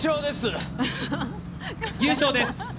優勝です！